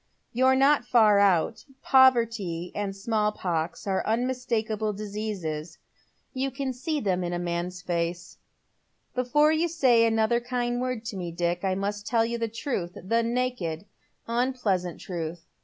You're not far out. Poverty and «malI pox are unmistakable diseases. You can see them in a man's face. Before you say another kind word to me, Dick, I must tell you the truth — the naked, unpleasant truth.